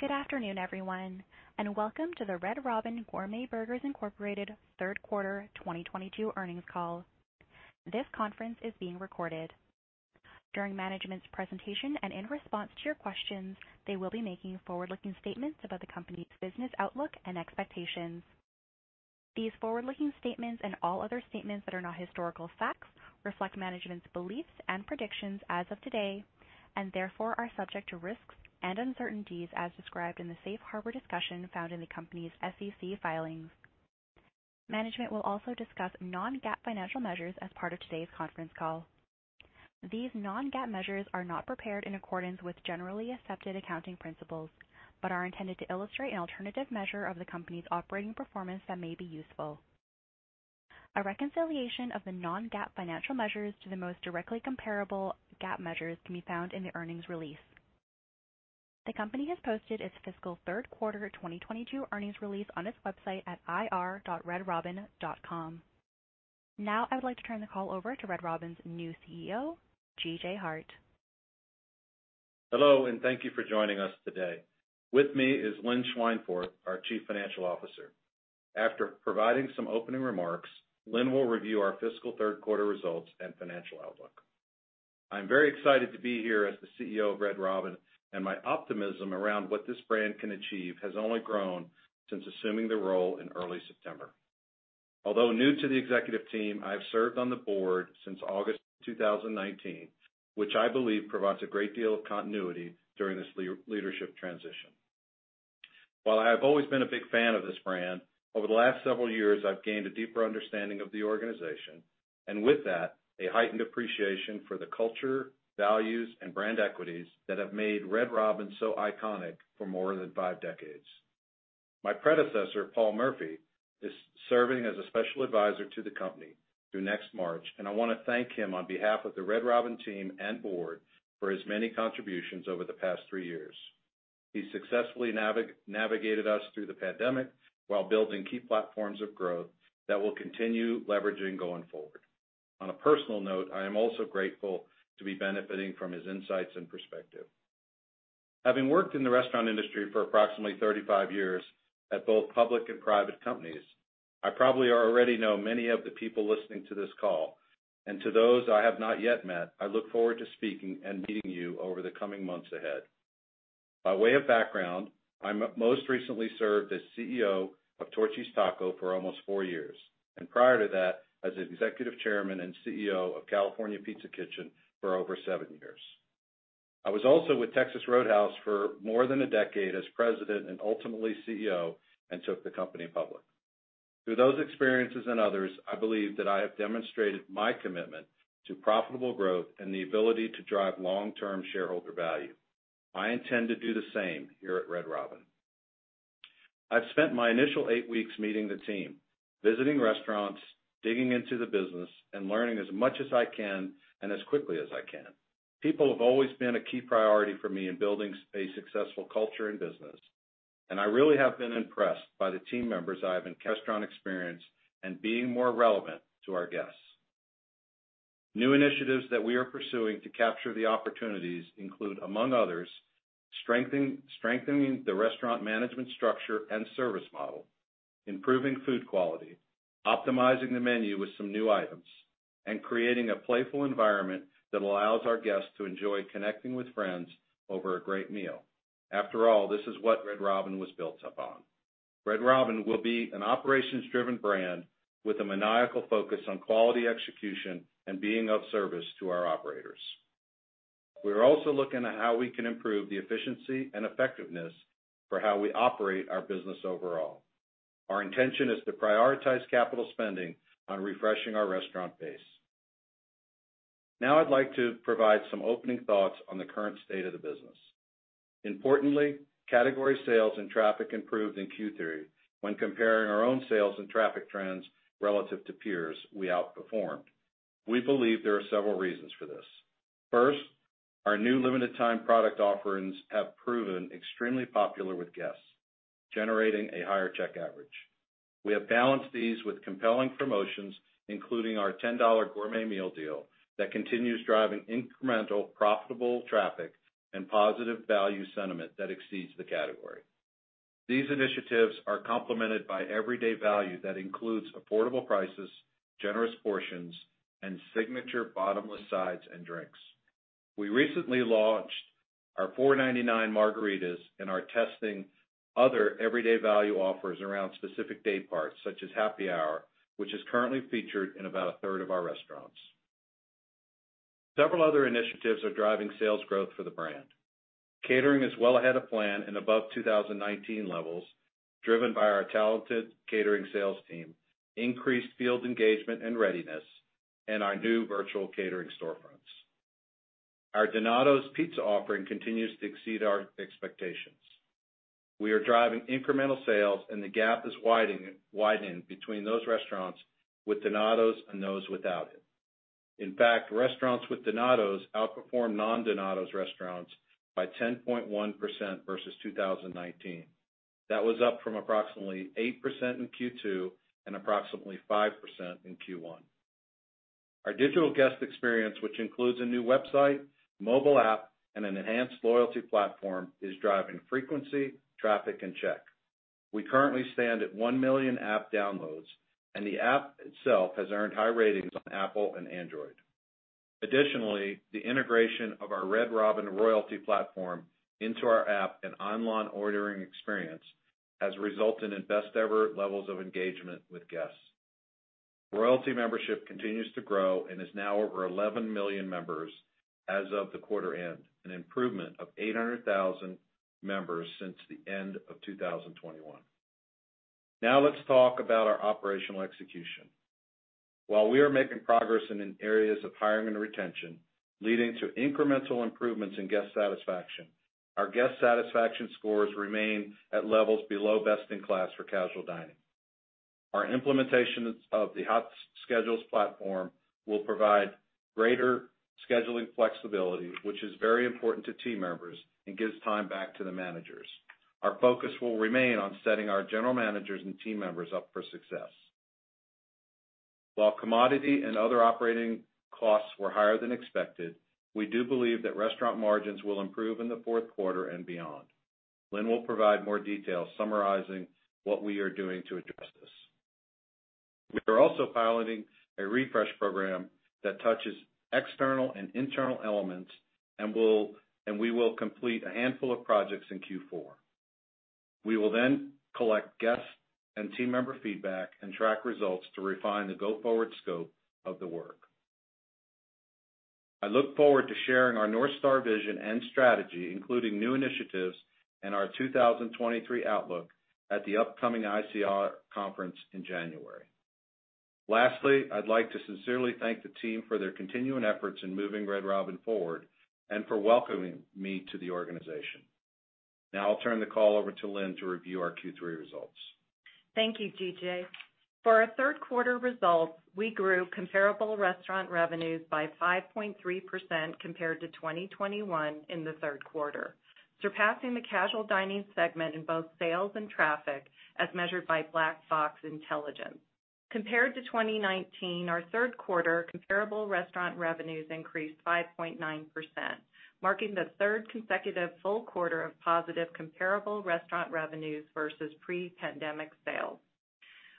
Good afternoon, everyone, and welcome to the Red Robin Gourmet Burgers, Inc. third quarter 2022 earnings call. This conference is being recorded. During management's presentation and in response to your questions, they will be making forward-looking statements about the company's business outlook and expectations. These forward-looking statements and all other statements that are not historical facts reflect management's beliefs and predictions as of today, and therefore are subject to risks and uncertainties as described in the safe harbor discussion found in the company's SEC filings. Management will also discuss non-GAAP financial measures as part of today's conference call. These non-GAAP measures are not prepared in accordance with generally accepted accounting principles, but are intended to illustrate an alternative measure of the company's operating performance that may be useful. A reconciliation of the non-GAAP financial measures to the most directly comparable GAAP measures can be found in the earnings release. The company has posted its fiscal third quarter 2022 earnings release on its website at ir.redrobin.com. Now I would like to turn the call over to Red Robin's new CEO, G.J. Hart. Hello, and thank you for joining us today. With me is Lynn Schweinfurth, our Chief Financial Officer. After providing some opening remarks, Lynn will review our fiscal third quarter results and financial outlook. I'm very excited to be here as the CEO of Red Robin, and my optimism around what this brand can achieve has only grown since assuming the role in early September. Although new to the executive team, I have served on the board since August 2019, which I believe provides a great deal of continuity during this leadership transition. While I have always been a big fan of this brand, over the last several years, I've gained a deeper understanding of the organization, and with that, a heightened appreciation for the culture, values, and brand equities that have made Red Robin so iconic for more than five decades. My predecessor, Paul Murphy, is serving as a special advisor to the company through next March, and I want to thank him on behalf of the Red Robin team and board for his many contributions over the past three years. He successfully navigated us through the pandemic while building key platforms of growth that we'll continue leveraging going forward. On a personal note, I am also grateful to be benefiting from his insights and perspective. Having worked in the restaurant industry for approximately 35 years at both public and private companies, I probably already know many of the people listening to this call, and to those I have not yet met, I look forward to speaking and meeting you over the coming months ahead. By way of background, most recently served as CEO of Torchy's Tacos for almost four years, and prior to that, as Executive Chairman and CEO of California Pizza Kitchen for over seven years. I was also with Texas Roadhouse for more than a decade as president and ultimately CEO and took the company public. Through those experiences and others, I believe that I have demonstrated my commitment to profitable growth and the ability to drive long-term shareholder value. I intend to do the same here at Red Robin. I've spent my initial eight weeks meeting the team, visiting restaurants, digging into the business, and learning as much as I can and as quickly as I can. People have always been a key priority for me in building a successful culture and business, and I really have been impressed by the team members I have encountered. New initiatives that we are pursuing to capture the opportunities include, among others, strengthening the restaurant management structure and service model, improving food quality, optimizing the menu with some new items, and creating a playful environment that allows our guests to enjoy connecting with friends over a great meal. After all, this is what Red Robin was built upon. Red Robin will be an operations-driven brand with a maniacal focus on quality execution and being of service to our operators. We are also looking at how we can improve the efficiency and effectiveness for how we operate our business overall. Our intention is to prioritize capital spending on refreshing our restaurant base. Now I'd like to provide some opening thoughts on the current state of the business. Importantly, category sales and traffic improved in Q3 when comparing our own sales and traffic trends relative to peers, we outperformed. We believe there are several reasons for this. First, our new limited-time product offerings have proven extremely popular with guests, generating a higher check average. We have balanced these with compelling promotions, including our $10 gourmet meal deal that continues driving incremental, profitable traffic and positive value sentiment that exceeds the category. These initiatives are complemented by everyday value that includes affordable prices, generous portions, and signature bottomless sides and drinks. We recently launched our $4.99 margaritas and are testing other everyday value offers around specific day parts, such as happy hour, which is currently featured in about a third of our restaurants. Several other initiatives are driving sales growth for the brand. Catering is well ahead of plan and above 2019 levels, driven by our talented catering sales team, increased field engagement and readiness, and our new virtual catering storefronts. Our Donatos pizza offering continues to exceed our expectations. We are driving incremental sales, and the gap is widening between those restaurants with Donatos and those without it. In fact, restaurants with Donatos outperform non-Donatos restaurants by 10.1% versus 2019. That was up from approximately 8% in Q2 and approximately 5% in Q1. Our digital guest experience, which includes a new website, mobile app, and an enhanced loyalty platform, is driving frequency, traffic, and check. We currently stand at 1 million app downloads, and the app itself has earned high ratings on Apple and Android. Additionally, the integration of our Red Robin loyalty platform into our app and online ordering experience has resulted in best-ever levels of engagement with guests. Royalty membership continues to grow and is now over 11 million members as of the quarter end, an improvement of 800,000 members since the end of 2021. Now let's talk about our operational execution. While we are making progress in areas of hiring and retention, leading to incremental improvements in guest satisfaction, our guest satisfaction scores remain at levels below best-in-class for casual dining. Our implementation of the HotSchedules platform will provide greater scheduling flexibility, which is very important to team members and gives time back to the managers. Our focus will remain on setting our general managers and team members up for success. While commodity and other operating costs were higher than expected, we do believe that restaurant margins will improve in the fourth quarter and beyond. Lynn will provide more details summarizing what we are doing to address this. We are also piloting a refresh program that touches external and internal elements and we will complete a handful of projects in Q4. We will then collect guests and team member feedback and track results to refine the go-forward scope of the work. I look forward to sharing our North Star vision and strategy, including new initiatives and our 2023 outlook at the upcoming ICR Conference in January. Lastly, I'd like to sincerely thank the team for their continuing efforts in moving Red Robin forward and for welcoming me to the organization. Now I'll turn the call over to Lynn to review our Q3 results. Thank you, G.J. For our third quarter results, we grew comparable restaurant revenues by 5.3% compared to 2021 in the third quarter, surpassing the casual dining segment in both sales and traffic as measured by Black Box Intelligence. Compared to 2019, our third quarter comparable restaurant revenues increased 5.9%, marking the third consecutive full quarter of positive comparable restaurant revenues versus pre-pandemic sales.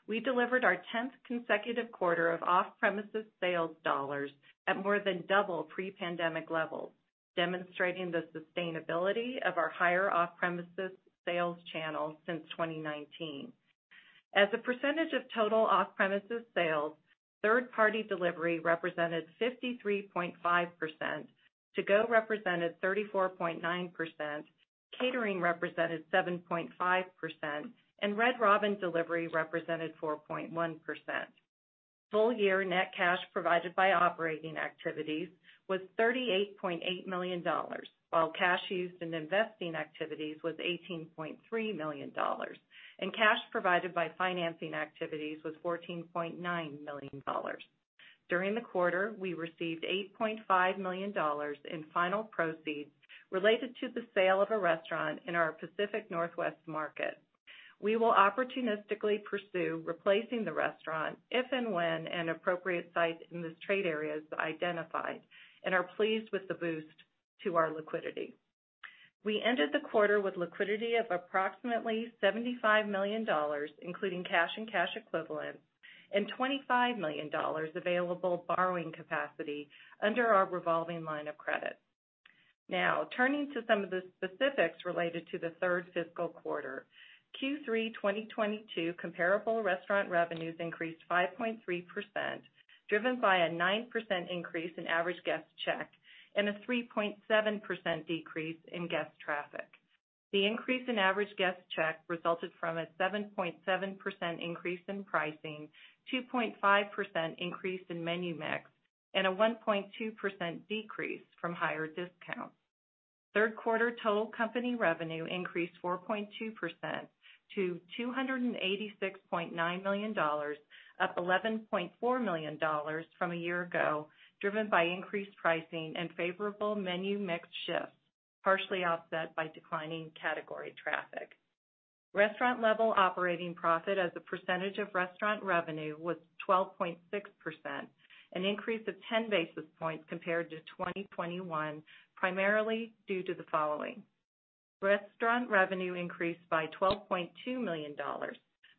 We delivered our 10th consecutive quarter of off-premises sales dollars at more than double pre-pandemic levels, demonstrating the sustainability of our higher off-premises sales channels since 2019. As a percentage of total off-premises sales, third-party delivery represented 53.5%, to-go represented 34.9%, catering represented 7.5%, and Red Robin delivery represented 4.1%. Full-year net cash provided by operating activities was $38.8 million, while cash used in investing activities was $18.3 million, and cash provided by financing activities was $14.9 million. During the quarter, we received $8.5 million in final proceeds related to the sale of a restaurant in our Pacific Northwest market. We will opportunistically pursue replacing the restaurant if and when an appropriate site in this trade area is identified and are pleased with the boost to our liquidity. We ended the quarter with liquidity of approximately $75 million, including cash and cash equivalents, and $25 million available borrowing capacity under our revolving line of credit. Now turning to some of the specifics related to the third fiscal quarter. Q3 2022 comparable restaurant revenues increased 5.3%, driven by a 9% increase in average guest check and a 3.7% decrease in guest traffic. The increase in average guest check resulted from a 7.7% increase in pricing, 2.5% increase in menu mix, and a 1.2% decrease from higher discounts. Third quarter total company revenue increased 4.2% to $286.9 million, up $11.4 million from a year ago, driven by increased pricing and favorable menu mix shifts, partially offset by declining category traffic. Restaurant-level operating profit as a percentage of restaurant revenue was 12.6%, an increase of 10 basis points compared to 2021, primarily due to the following. Restaurant revenue increased by $12.2 million,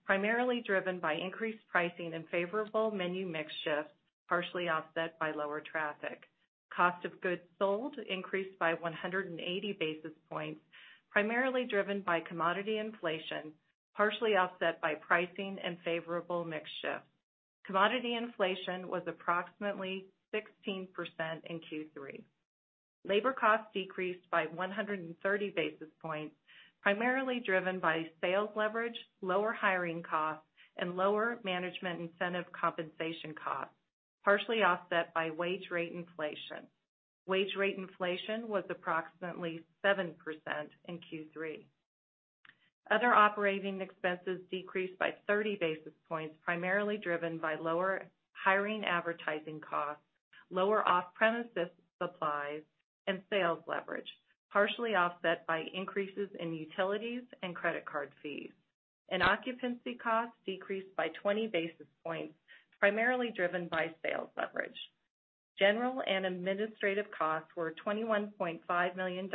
primarily driven by increased pricing and favorable menu mix shifts, partially offset by lower traffic. Cost of goods sold increased by 180 basis points, primarily driven by commodity inflation, partially offset by pricing and favorable mix shifts. Commodity inflation was approximately 16% in Q3. Labor costs decreased by 130 basis points, primarily driven by sales leverage, lower hiring costs, and lower management incentive compensation costs, partially offset by wage rate inflation. Wage rate inflation was approximately 7% in Q3. Other operating expenses decreased by 30 basis points, primarily driven by lower hiring advertising costs, lower off-premises supplies, and sales leverage, partially offset by increases in utilities and credit card fees. Occupancy costs decreased by 20 basis points, primarily driven by sales leverage. General and administrative costs were $21.5 million,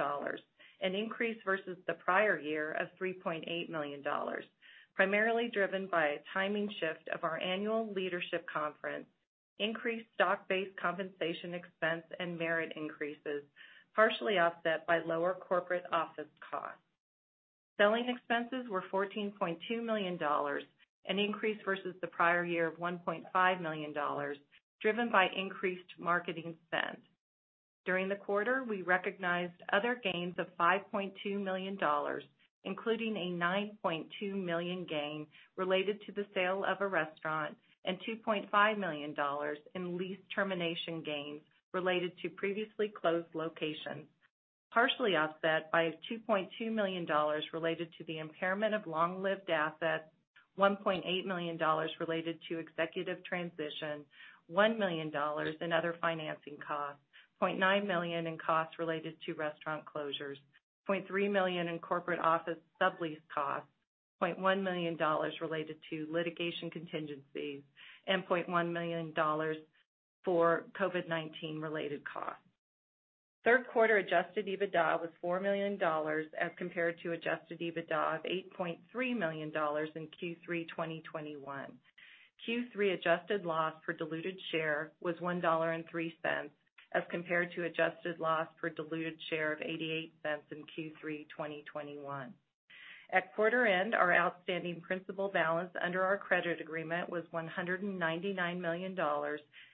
an increase versus the prior year of $3.8 million, primarily driven by a timing shift of our annual leadership conference, increased stock-based compensation expense and merit increases, partially offset by lower corporate office costs. Selling expenses were $14.2 million, an increase versus the prior year of $1.5 million, driven by increased marketing spend. During the quarter, we recognized other gains of $5.2 million, including a $9.2 million gain related to the sale of a restaurant and $2.5 million in lease termination gains related to previously closed locations, partially offset by $2.2 million related to the impairment of long-lived assets, $1.8 million related to executive transition, $1 million in other financing costs, $0.9 million in costs related to restaurant closures, $0.3 million in corporate office sublease costs, $0.1 million related to litigation contingencies, and $0.1 million for COVID-19 related costs. Third quarter adjusted EBITDA was $4 million as compared to adjusted EBITDA of $8.3 million in Q3 2021. Q3 adjusted loss per diluted share was $1.03 as compared to adjusted loss per diluted share of $0.88 in Q3 2021. At quarter end, our outstanding principal balance under our credit agreement was $199 million,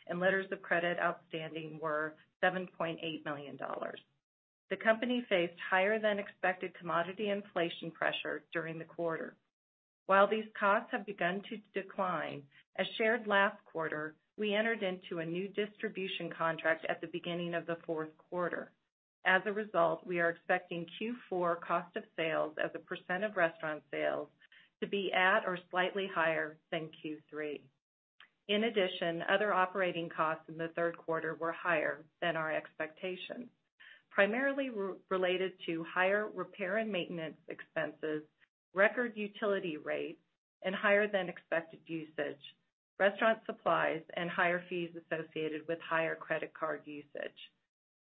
and letters of credit outstanding were $7.8 million. The company faced higher-than-expected commodity inflation pressure during the quarter. While these costs have begun to decline, as shared last quarter, we entered into a new distribution contract at the beginning of the fourth quarter. As a result, we are expecting Q4 cost of sales as a % of restaurant sales to be at or slightly higher than Q3. In addition, other operating costs in the third quarter were higher than our expectations, primarily related to higher repair and maintenance expenses, record utility rates and higher than expected usage, restaurant supplies, and higher fees associated with higher credit card usage.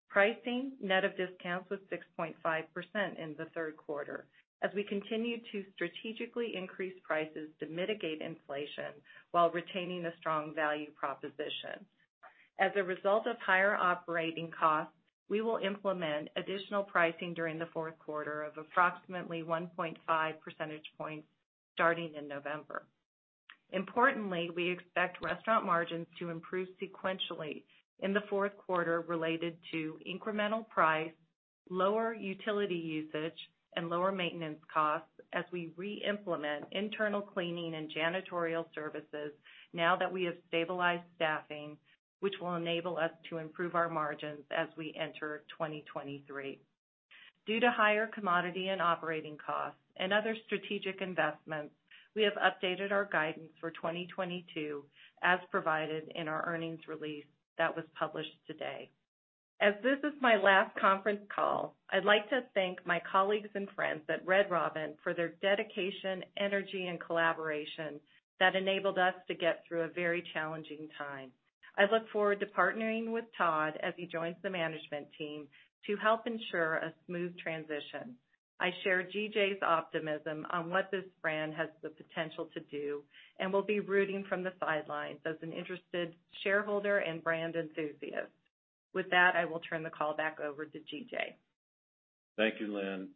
Pricing net of discounts was 6.5% in the third quarter as we continued to strategically increase prices to mitigate inflation while retaining a strong value proposition. As a result of higher operating costs, we will implement additional pricing during the fourth quarter of approximately 1.5 percentage points starting in November. Importantly, we expect restaurant margins to improve sequentially in the fourth quarter related to incremental price, lower utility usage, and lower maintenance costs as we re-implement internal cleaning and janitorial services now that we have stabilized staffing, which will enable us to improve our margins as we enter 2023. Due to higher commodity and operating costs and other strategic investments, we have updated our guidance for 2022 as provided in our earnings release that was published today. As this is my last conference call, I'd like to thank my colleagues and friends at Red Robin for their dedication, energy, and collaboration that enabled us to get through a very challenging time. I look forward to partnering with Todd as he joins the management team to help ensure a smooth transition. I share G.J.'s optimism on what this brand has the potential to do and will be rooting from the sidelines as an interested shareholder and brand enthusiast. With that, I will turn the call back over to G.J. Thank you, Lynn.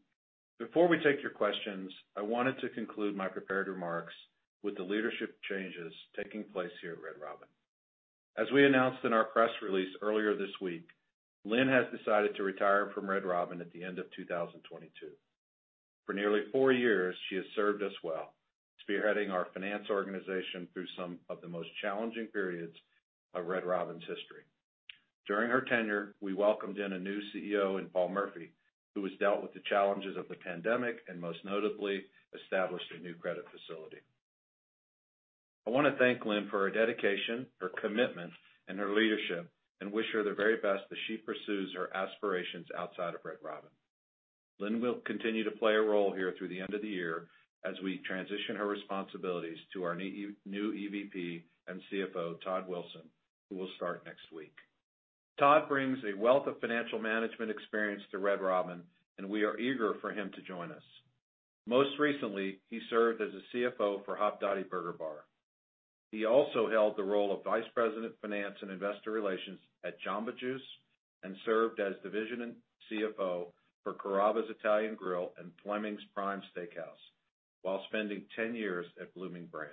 Before we take your questions, I wanted to conclude my prepared remarks with the leadership changes taking place here at Red Robin. As we announced in our press release earlier this week, Lynn has decided to retire from Red Robin at the end of 2022. For nearly four years, she has served us well, spearheading our finance organization through some of the most challenging periods of Red Robin's history. During her tenure, we welcomed in a new CEO in Paul Murphy, who has dealt with the challenges of the pandemic and most notably, established a new credit facility. I wanna thank Lynn for her dedication, her commitment, and her leadership, and wish her the very best as she pursues her aspirations outside of Red Robin. Lynn will continue to play a role here through the end of the year as we transition her responsibilities to our new EVP and CFO, Todd Wilson, who will start next week. Todd brings a wealth of financial management experience to Red Robin, and we are eager for him to join us. Most recently, he served as a CFO for Hopdoddy Burger Bar. He also held the role of vice president of finance and investor relations at Jamba Juice, and served as divisional CFO for Carrabba's Italian Grill and Fleming's Prime Steakhouse while spending 10 years at Bloomin' Brands.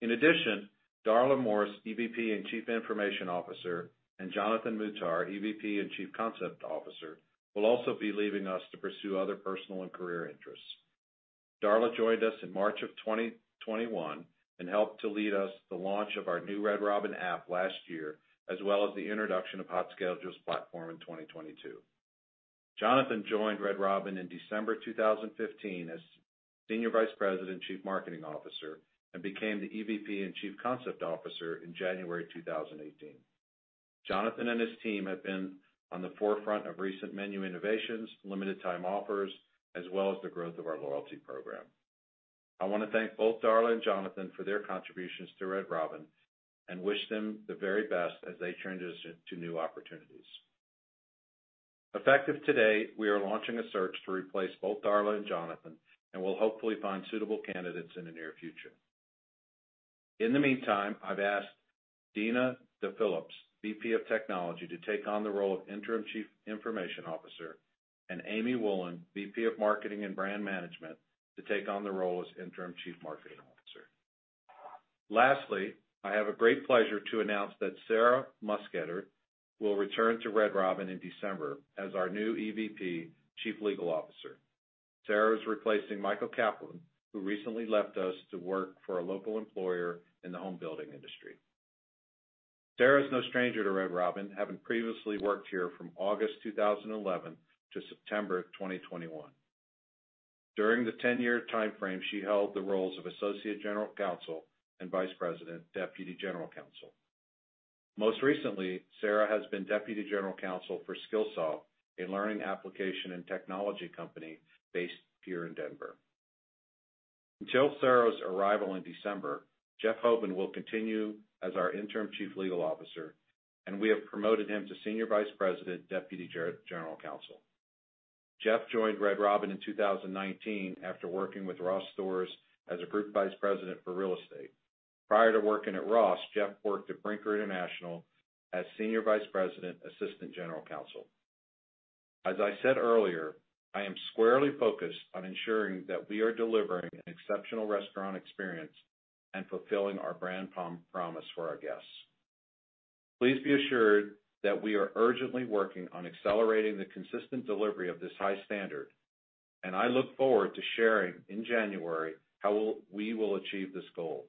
In addition, Darla Morse, EVP and Chief Information Officer, and Jonathan Muhtar, EVP and Chief Concept Officer, will also be leaving us to pursue other personal and career interests. Darla joined us in March of 2021 and helped to lead the launch of our new Red Robin app last year, as well as the introduction of HotSchedules platform in 2022. Jonathan joined Red Robin in December 2015 as Senior Vice President, Chief Marketing Officer, and became the EVP and Chief Concept Officer in January 2018. Jonathan and his team have been on the forefront of recent menu innovations, limited time offers, as well as the growth of our loyalty program. I wanna thank both Darla and Jonathan for their contributions to Red Robin, and wish them the very best as they transition to new opportunities. Effective today, we are launching a search to replace both Darla and Jonathan, and we'll hopefully find suitable candidates in the near future. In the meantime, I've asked Deena DePhillips, VP of Technology, to take on the role of Interim Chief Information Officer, and Amy Woolen, VP of Marketing and Brand Management, to take on the role as Interim Chief Marketing Officer. Lastly, I have a great pleasure to announce that Sarah Mussetter will return to Red Robin in December as our new EVP, Chief Legal Officer. Sarah is replacing Michael Kaplan, who recently left us to work for a local employer in the home building industry. Sarah is no stranger to Red Robin, having previously worked here from August 2011 to September 2021. During the 10-year timeframe, she held the roles of Associate General Counsel and Vice President, Deputy General Counsel. Most recently, Sarah has been Deputy General Counsel for Skillsoft, a learning application and technology company based here in Denver. Until Sarah Mussetter's arrival in December, Jeff Hoban will continue as our Interim Chief Legal Officer, and we have promoted him to Senior Vice President, Deputy General Counsel. Jeff joined Red Robin in 2019 after working with Ross Stores as a Group Vice President for Real Estate. Prior to working at Ross, Jeff worked at Brinker International as Senior Vice President, Assistant General Counsel. As I said earlier, I am squarely focused on ensuring that we are delivering an exceptional restaurant experience and fulfilling our brand promise for our guests. Please be assured that we are urgently working on accelerating the consistent delivery of this high standard, and I look forward to sharing in January how we will achieve this goal.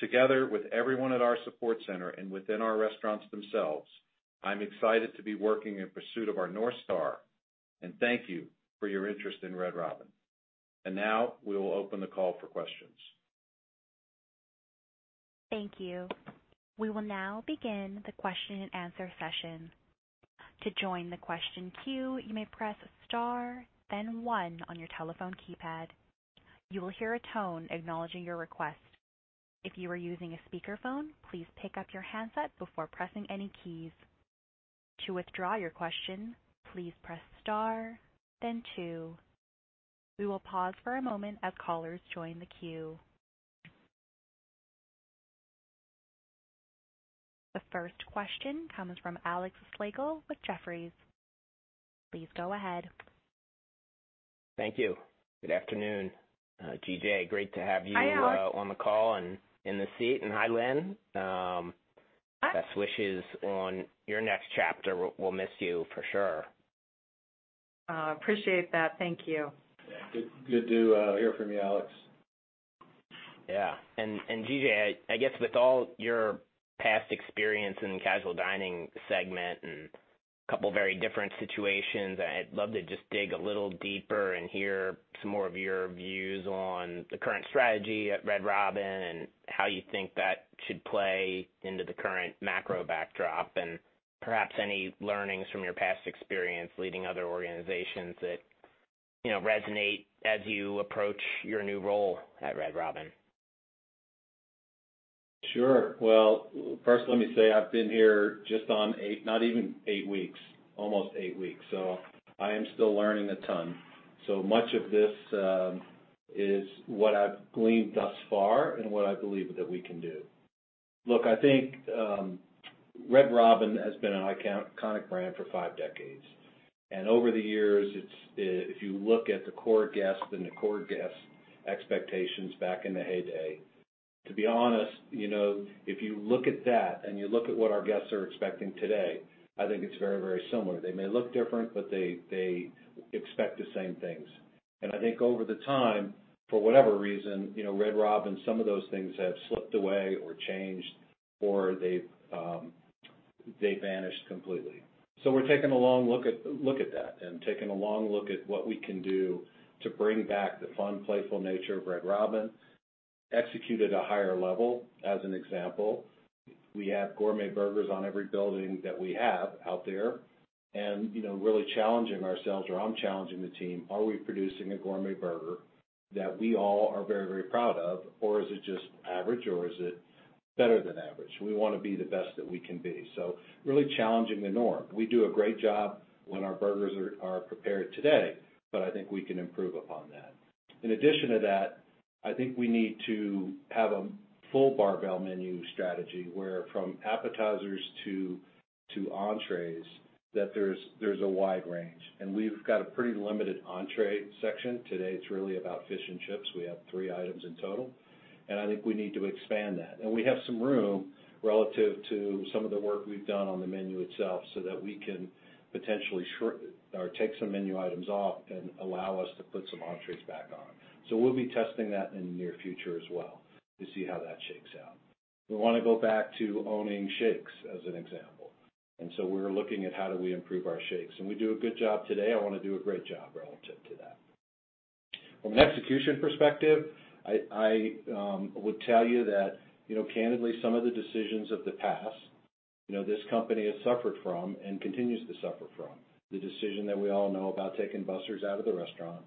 Together with everyone at our support center and within our restaurants themselves, I'm excited to be working in pursuit of our North Star, and thank you for your interest in Red Robin. Now we will open the call for questions. Thank you. We will now begin the question and answer session. To join the question queue, you may press star, then one on your telephone keypad. You will hear a tone acknowledging your request. If you are using a speakerphone, please pick up your handset before pressing any keys. To withdraw your question, please press star, then two. We will pause for a moment as callers join the queue. The first question comes from Alex Slagle with Jefferies. Please go ahead. Thank you. Good afternoon, G.J. Great to have you. Hi, Alex. On the call and in the seat. Hi, Lynn. Hi. Best wishes on your next chapter. We'll miss you for sure. Appreciate that. Thank you. Yeah. Good to hear from you, Alex. Yeah. G.J., I guess with all your past experience in the casual dining segment in a couple very different situations, I'd love to just dig a little deeper and hear some more of your views on the current strategy at Red Robin and how you think that should play into the current macro backdrop, and perhaps any learnings from your past experience leading other organizations that, you know, resonate as you approach your new role at Red Robin. Sure. Well, first let me say I've been here just not even eight weeks. Almost eight weeks. I am still learning a ton. Much of this is what I've gleaned thus far and what I believe that we can do. Look, I think Red Robin has been an iconic brand for five decades. Over the years, it's if you look at the core guests and the core guests' expectations back in the heyday, to be honest, you know, if you look at that and you look at what our guests are expecting today, I think it's very, very similar. They may look different, but they expect the same things. I think over time, for whatever reason, you know, Red Robin, some of those things have slipped away or changed or they vanished completely. We're taking a long look at what we can do to bring back the fun, playful nature of Red Robin, execute at a higher level. As an example, we have gourmet burgers on every building that we have out there, and, you know, really challenging ourselves or I'm challenging the team, are we producing a gourmet burger that we all are very, very proud of, or is it just average or is it better than average? We wanna be the best that we can be. Really challenging the norm. We do a great job when our burgers are prepared today, but I think we can improve upon that. In addition to that, I think we need to have a full barbell menu strategy, where from appetizers to entrees, that there's a wide range. We've got a pretty limited entree section. Today, it's really about fish and chips. We have three items in total. I think we need to expand that. We have some room relative to some of the work we've done on the menu itself so that we can potentially or take some menu items off and allow us to put some entrees back on. We'll be testing that in the near future as well to see how that shakes out. We wanna go back to owning shakes, as an example. We're looking at how do we improve our shakes. We do a good job today. I want to do a great job relative. From an execution perspective, I would tell you that, you know, candidly some of the decisions of the past, you know, this company has suffered from and continues to suffer from. The decision that we all know about taking Buster's out of the restaurant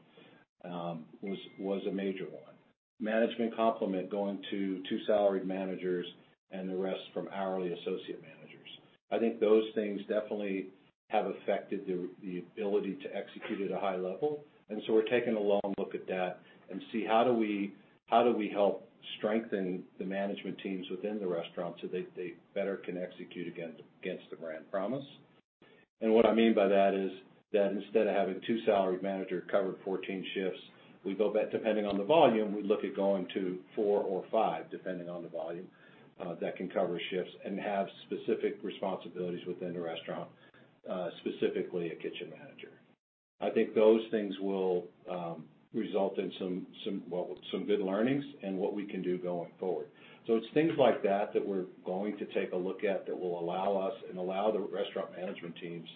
was a major one. Management complement going to two salaried managers and the rest from hourly associate managers. I think those things definitely have affected the ability to execute at a high level. We're taking a long look at that and see how do we help strengthen the management teams within the restaurant so that they better can execute against the brand promise. What I mean by that is that instead of having two salaried managers cover 14 shifts, we go back, depending on the volume, we look at going to four or five, depending on the volume, that can cover shifts and have specific responsibilities within a restaurant, specifically a kitchen manager. I think those things will result in some good learnings and what we can do going forward. It's things like that that we're going to take a look at that will allow us and allow the restaurant management teams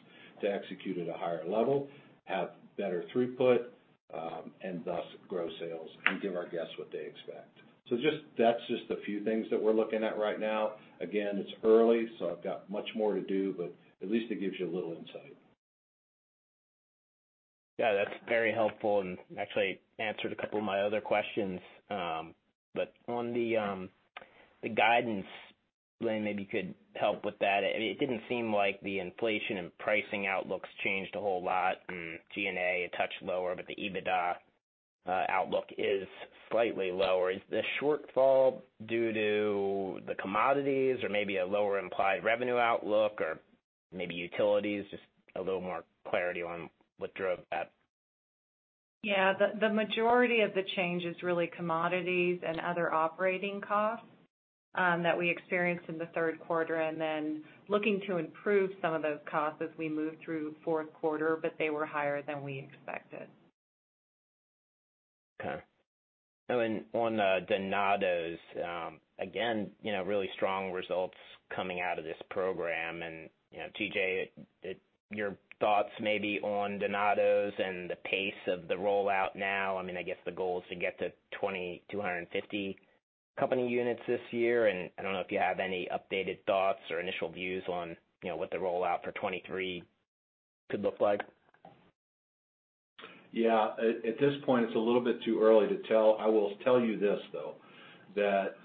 to execute at a higher level, have better throughput, and thus grow sales and give our guests what they expect. That's just a few things that we're looking at right now. Again, it's early, so I've got much more to do, but at least it gives you a little insight. Yeah, that's very helpful and actually answered a couple of my other questions. On the guidance, Lynn, maybe you could help with that. It didn't seem like the inflation and pricing outlook's changed a whole lot and G&A a touch lower, but the EBITDA outlook is slightly lower. Is the shortfall due to the commodities or maybe a lower implied revenue outlook or maybe utilities? Just a little more clarity on what drove that. Yeah. The majority of the change is really commodities and other operating costs that we experienced in the third quarter, and then looking to improve some of those costs as we move through fourth quarter, but they were higher than we expected. Okay. On the Donatos, again, you know, really strong results coming out of this program. You know, G.J., your thoughts maybe on Donatos and the pace of the rollout now. I mean, I guess the goal is to get to 2,250 company units this year. I don't know if you have any updated thoughts or initial views on, you know, what the rollout for 2023 could look like. Yeah. At this point, it's a little bit too early to tell. I will tell you this, though, that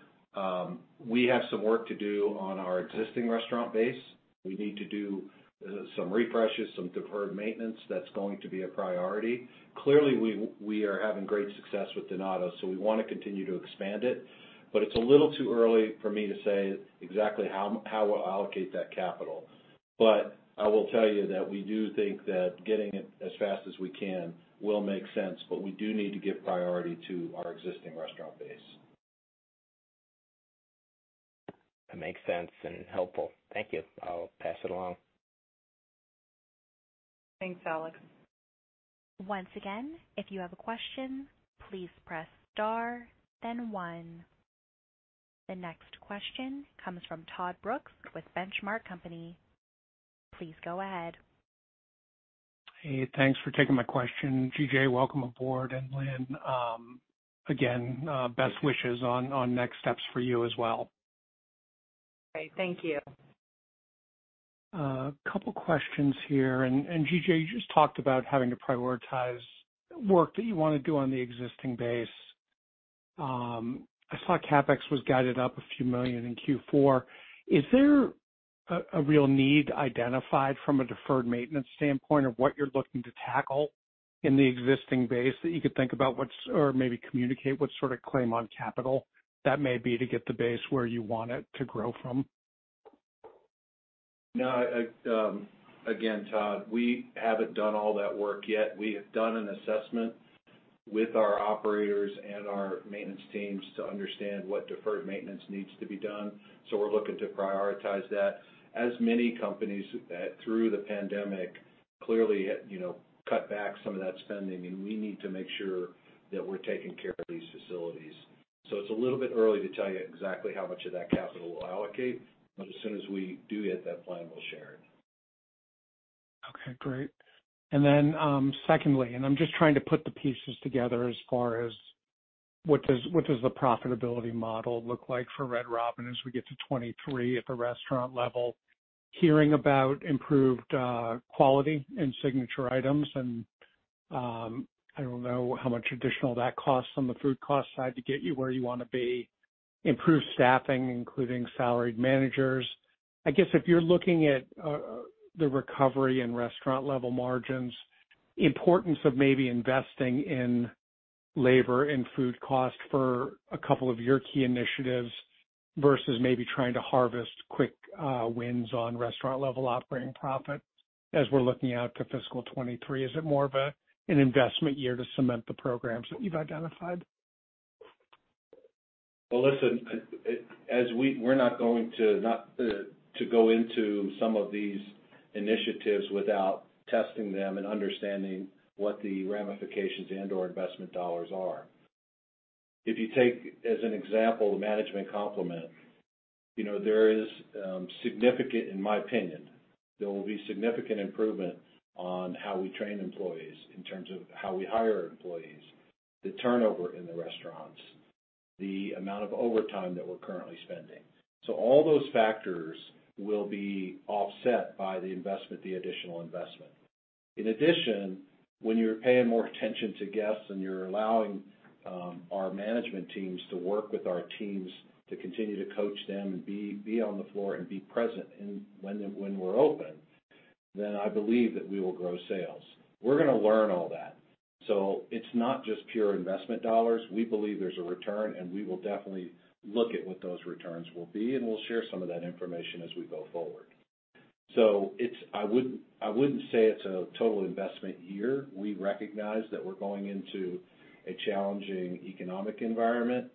we have some work to do on our existing restaurant base. We need to do some refreshes, some deferred maintenance. That's going to be a priority. Clearly, we are having great success with Donatos, so we wanna continue to expand it, but it's a little too early for me to say exactly how we'll allocate that capital. I will tell you that we do think that getting it as fast as we can will make sense, but we do need to give priority to our existing restaurant base. That makes sense and helpful. Thank you. I'll pass it along. Thanks, Alex. Once again, if you have a question, please press star, then one. The next question comes from Todd Brooks with Benchmark Company. Please go ahead. Hey, thanks for taking my question. G.J., welcome aboard. Lynn, again, best wishes on next steps for you as well. Great. Thank you. A couple of questions here. G.J., you just talked about having to prioritize work that you wanna do on the existing base. I saw CapEx was guided up a few million in Q4. Is there a real need identified from a deferred maintenance standpoint of what you're looking to tackle in the existing base or maybe communicate what sort of claim on capital that may be to get the base where you want it to grow from? No, again, Todd, we haven't done all that work yet. We have done an assessment with our operators and our maintenance teams to understand what deferred maintenance needs to be done, so we're looking to prioritize that. As many companies, through the pandemic clearly, you know, cut back some of that spending, and we need to make sure that we're taking care of these facilities. It's a little bit early to tell you exactly how much of that capital we'll allocate, but as soon as we do get that plan, we'll share it. Okay, great. Secondly, I'm just trying to put the pieces together as far as what does the profitability model look like for Red Robin as we get to 2023 at the restaurant level? Hearing about improved quality and signature items, I don't know how much additional that costs on the food cost side to get you where you wanna be. Improved staffing, including salaried managers. I guess if you're looking at the recovery and restaurant level margins, importance of maybe investing in labor and food cost for a couple of your key initiatives versus maybe trying to harvest quick wins on restaurant level operating profit as we're looking out to fiscal 2023, is it more of an investment year to cement the programs that you've identified? Well, listen, we're not going to go into some of these initiatives without testing them and understanding what the ramifications and/or investment dollars are. If you take as an example the management complement, you know, there is significant, in my opinion, there will be significant improvement on how we train employees in terms of how we hire employees, the turnover in the restaurants, the amount of overtime that we're currently spending. All those factors will be offset by the investment, the additional investment. In addition, when you're paying more attention to guests and you're allowing our management teams to work with our teams to continue to coach them and be on the floor and be present and when we're open, then I believe that we will grow sales. We're gonna learn all that. It's not just pure investment dollars. We believe there's a return, and we will definitely look at what those returns will be, and we'll share some of that information as we go forward. I wouldn't say it's a total investment year. We recognize that we're going into a challenging economic environment.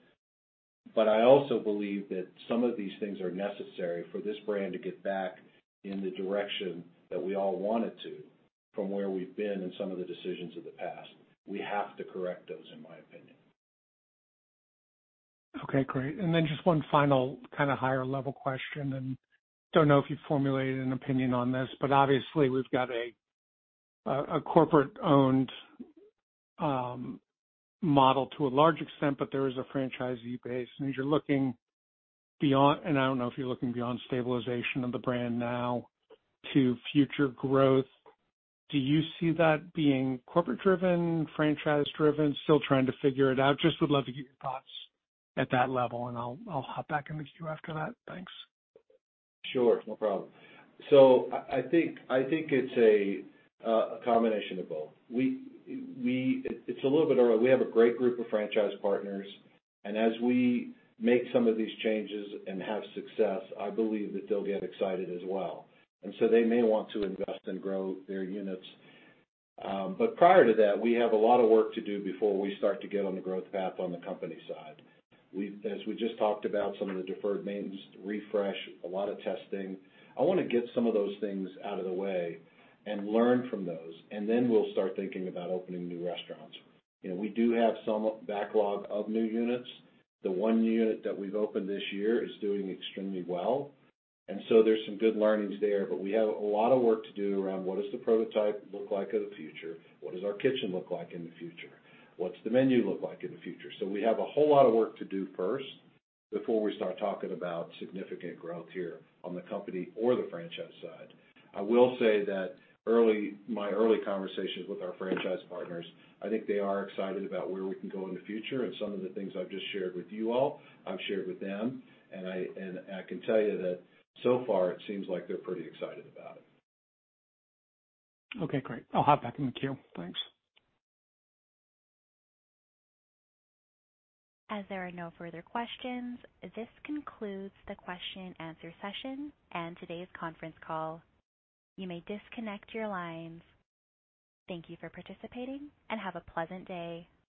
I also believe that some of these things are necessary for this brand to get back in the direction that we all want it to from where we've been and some of the decisions of the past. We have to correct those, in my opinion. Okay, great. Just one final kind of higher-level question, and don't know if you've formulated an opinion on this, but obviously we've got a corporate-owned model to a large extent, but there is a franchisee base. As you're looking beyond, and I don't know if you're looking beyond stabilization of the brand now to future growth, do you see that being corporate driven, franchise driven, still trying to figure it out? Just would love to get your thoughts at that level and I'll hop back in the queue after that. Thanks. I think it's a combination of both. It's a little bit early. We have a great group of franchise partners, and as we make some of these changes and have success, I believe that they'll get excited as well. They may want to invest and grow their units. Prior to that, we have a lot of work to do before we start to get on the growth path on the company side. As we just talked about, some of the deferred maintenance, refresh, a lot of testing. I wanna get some of those things out of the way and learn from those, and then we'll start thinking about opening new restaurants. You know, we do have some backlog of new units. The one unit that we've opened this year is doing extremely well, and so there's some good learnings there. We have a lot of work to do around what does the prototype look like in the future? What does our kitchen look like in the future? What's the menu look like in the future? We have a whole lot of work to do first before we start talking about significant growth here on the company or the franchise side. I will say that early, my early conversations with our franchise partners, I think they are excited about where we can go in the future. Some of the things I've just shared with you all, I've shared with them, and I can tell you that so far it seems like they're pretty excited about it. Okay, great. I'll hop back in the queue. Thanks. As there are no further questions, this concludes the question and answer session and today's conference call. You may disconnect your lines. Thank you for participating and have a pleasant day.